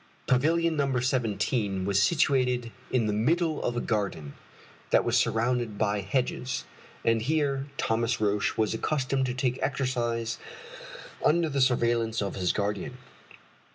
Pavilion No. 17 was situated in the middle of a garden that was surrounded by hedges, and here Roch was accustomed to take exercise under the surveillance of his guardian.